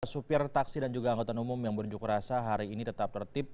supir taksi dan juga anggota umum yang berunjuk rasa hari ini tetap tertib